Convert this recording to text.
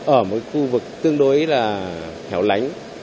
ở một khu vực tương đối là hẻo lánh